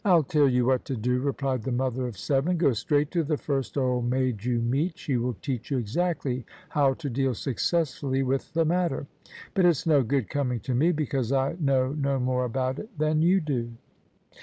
111 tell you what to do," replied the mother of seven ;" go straight to the first old maid you meet; she will teach you exactly how to deal successfully with the matter. But it's no good coming to me, because I know no more about it than you do."